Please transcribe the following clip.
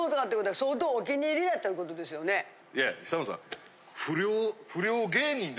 いやいや久本さん。